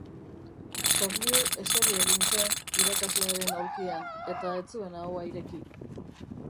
Corlieu eseri egin zen irakaslearen aulkian, eta ez zuen ahoa ireki.